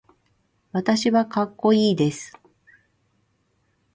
私はかっこいいです。